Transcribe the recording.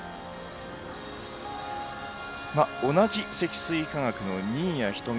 同じ積水化学の新谷仁美